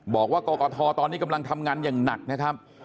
บอกว่ากกทตอนนี้กำลังทำงานอย่างหนักนะครับ